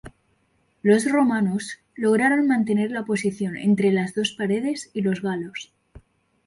Los romanos lograron mantener la posición entre las dos paredes y los galos.